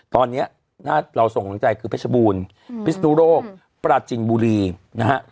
ตอนเนี่ยเราส่งข้างใจคือเพชบูรพิศนุโรคประจิงบุรีนะฮะ